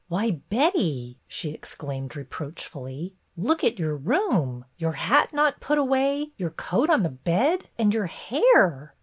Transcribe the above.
"Why, Betty," she exclaimed reproachfully, "look at your room ! Your hat not put away, your coat on the bed ! And your hair